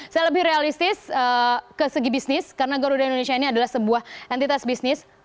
saya lebih realistis ke segi bisnis karena garuda indonesia ini adalah sebuah entitas bisnis